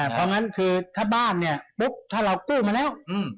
เพราะงั้นคือถ้าบ้านเนี่ยปุ๊บถ้าเรากู้มาแล้ว